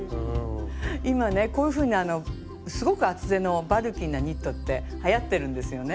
今ねこういうふうなすごく厚手のバルキーなニットってはやってるんですよね。